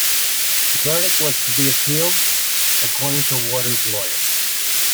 The verdict was to be appealed according to Walters' lawyer.